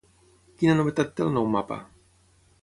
Quina novetat té el nou mapa?